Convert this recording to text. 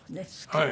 はい。